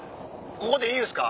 ここでいいですか？